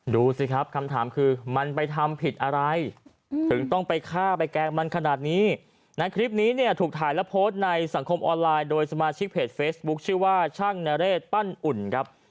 ดูสิครับคำถามคือมันไปทำผิดอะไรถึงต้องไปฆ่าไปแกล้งมันขนาดนี้ในคลิปนี้เนี่ยถูกถ่ายและโพสต์ในสังคมออนไลน์โดยสมาชิกเพจเฟซบุ๊คชื่อว่าช่างนเรศปั้นอุ่นครับ